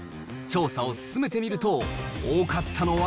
調査を進めてみると、多かったのは。